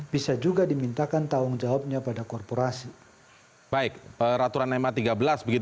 bisa juga dimintakan tawang jawabnya pada korporasi